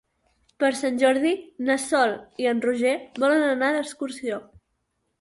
Per Sant Jordi na Sol i en Roger volen anar d'excursió.